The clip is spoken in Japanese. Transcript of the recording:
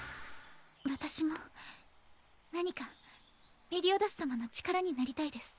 私も何かメリオダス様の力になりたいです。